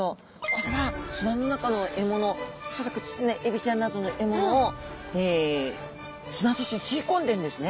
これは砂の中の獲物恐らくちっちゃなエビちゃんなどの獲物を砂と一緒に吸い込んでんですね。